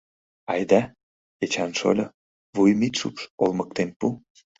Айда, Эчан шольо, вуйым ит шупш, олмыктен пу.